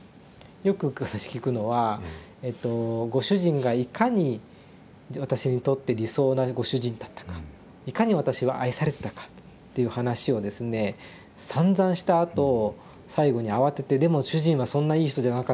よく聞くのはご主人がいかに私にとって理想なご主人だったかいかに私は愛されてたかっていう話をですねさんざんしたあと最後に慌てて「でも主人はそんないい人じゃなかったんです」